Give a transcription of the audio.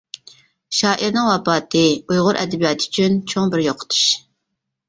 شائىرنىڭ ۋاپاتى ئۇيغۇر ئەدەبىياتى ئۈچۈن چوڭ بىر يوقىتىش.